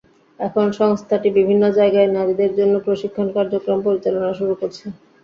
এখন সংস্থাটি বিভিন্ন জায়গায় নারীদের জন্য প্রশিক্ষণ কার্যক্রম পরিচালনা শুরু করছে।